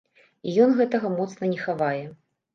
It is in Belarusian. І ён гэтага моцна не хавае.